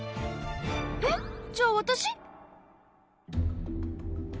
えっじゃあわたし？